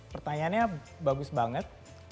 pertanyaannya bagus banget